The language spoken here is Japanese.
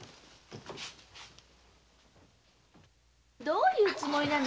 どういうつもり？